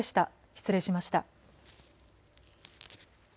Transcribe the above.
失礼しました。